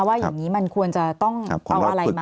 ว่าอย่างนี้มันควรจะต้องเอาอะไรมา